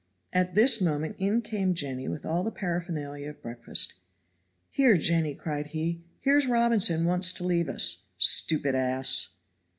At this moment in came Jenny with all the paraphernalia of breakfast. "Here, Jenny," cried he, "here's Robinson wants to leave us. Stupid ass!"